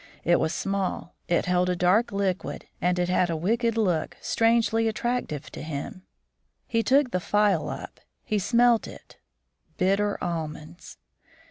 It was small; it held a dark liquid; and it had a wicked look strangely attractive to him. He took the phial up; he smelt it. Bitter almonds!